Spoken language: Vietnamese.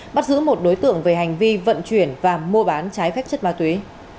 bắt giữ một đối tượng về hành vi vận chuyển và mua bán trái phép chất ma túy